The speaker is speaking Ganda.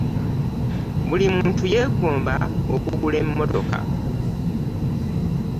Buli muntu yegomba okugula emmotoka.